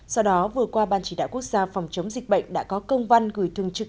sau đó vừa qua ban chỉ đạo quốc gia phòng chống dịch bệnh đã có công văn gửi thường trực